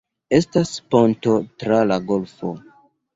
Estas ponto tra la golfo.